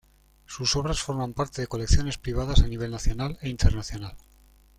Sus obras forman parte de colecciones privadas a nivel nacional e internacional.